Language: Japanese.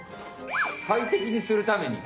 快適にするために。